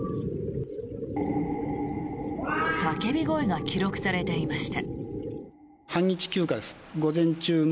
叫び声が記録されていました。